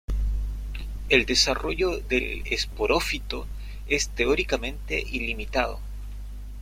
El desarrollo del esporófito es teóricamente ilimitado.